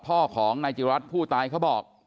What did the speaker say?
พ่อของนายจิรัตน์ผู้ตายเขาบอก